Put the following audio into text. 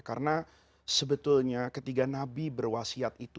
karena sebetulnya ketika nabi berwasiat itu